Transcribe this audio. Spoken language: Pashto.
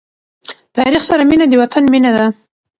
تاریخ سره مینه د وطن مینه ده.